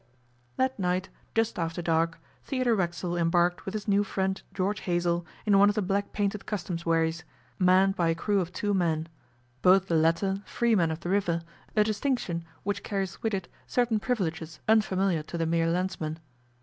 That night, just after dark, Theodore Racksole embarked with his new friend George Hazell in one of the black painted Customs wherries, manned by a crew of two men both the later freemen of the river, a distinction which carries with it certain privileges unfamiliar to the mere landsman.